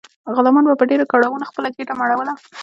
غلامانو به په ډیرو کړاوونو خپله ګیډه مړوله.